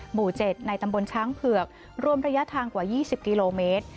หมู่๗ในตำบลช้างเผือกรวมระยะทางกว่า๒๐กิโลเมตร